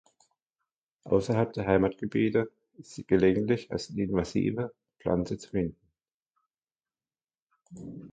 Außerhalb der Heimatgebiete ist sie gelegentlich als invasive Pflanze zu finden.